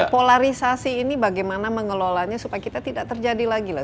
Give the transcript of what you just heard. polarisasi ini bagaimana mengelolanya supaya kita tidak terjadi lagi lah